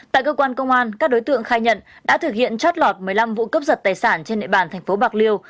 tại cơ quan công an các đối tượng khai nhận đã thực hiện chót lọt một mươi năm vụ cướp giật tài sản trên địa bàn tp bạc liêu